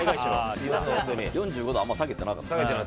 ４５度はあんまり下げてなかった。